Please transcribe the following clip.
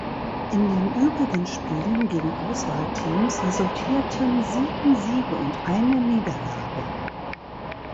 In den übrigen Spielen gegen Auswahlteams resultierten sieben Siege und eine Niederlage.